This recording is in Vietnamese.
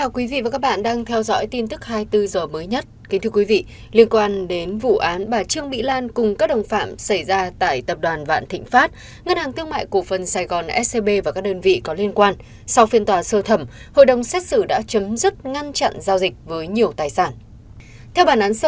các bạn hãy đăng ký kênh để ủng hộ kênh của chúng mình nhé